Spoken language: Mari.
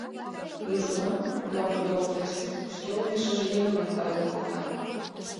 Южгунам, кунам тудо ок ярсе, шке олмешыже еҥымат тарлен колта.